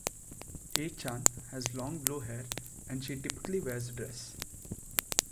A-chan has long blue hair and she typically wears a dress.